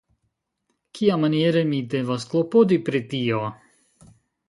Kiamaniere mi devas klopodi pri tio?